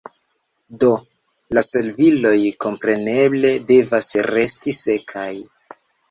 Do la serviloj, kompreneble, devas resti sekaj.